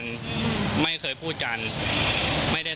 ผมมีโพสต์นึงครับว่า